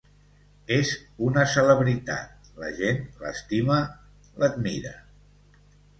És una celebritat: la gent l'estima, l'admira.